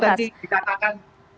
kalau tadi dikatakan